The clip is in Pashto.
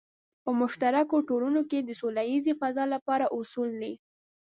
په مشترکو ټولنو کې د سوله ییزې فضا لپاره اصول دی.